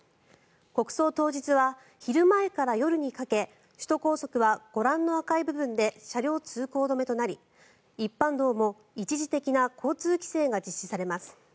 国葬当日は昼前から夜にかけ首都高速はご覧の赤い部分で車両通行止めとなり一般道も一時的な交通規制が実施されます。